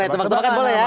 tebak tebakan boleh ya